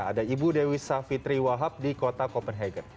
ada ibu dewi savitri wahab di kota copenhagen